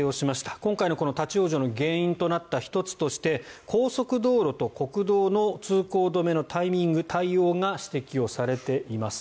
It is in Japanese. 今回の立ち往生の原因となった１つとして高速道路と国道の通行止めのタイミング、対応が指摘をされています。